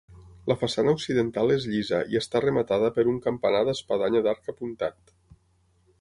La façana occidental és llisa i està rematada per un campanar d'espadanya d'arc apuntat.